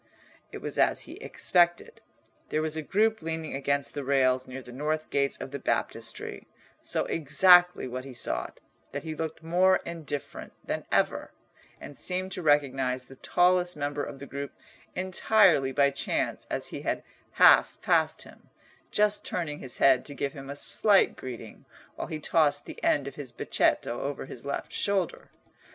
It was as he expected. There was a group leaning against the rails near the north gates of the Baptistery, so exactly what he sought, that he looked more indifferent than ever, and seemed to recognise the tallest member of the group entirely by chance as he had half passed him, just turning his head to give him a slight greeting, while he tossed the end of his becchetto over his left shoulder.